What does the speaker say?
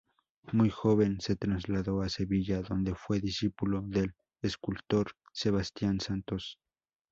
Muy joven se trasladó a Sevilla, donde fue discípulo del escultor Sebastián Santos.